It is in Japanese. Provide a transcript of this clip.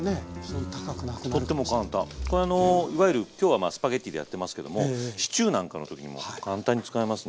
これあのいわゆる今日はスパゲッティでやってますけどもシチューなんかの時にも簡単に使えますね